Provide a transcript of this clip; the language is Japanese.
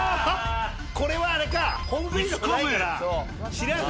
これはあれか。